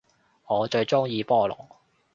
我最鍾意菠蘿